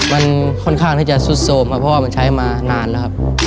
มันค่อนข้างที่จะซุดโทรมครับเพราะว่ามันใช้มานานแล้วครับ